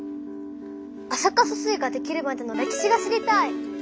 安積疏水ができるまでの歴史が知りたい！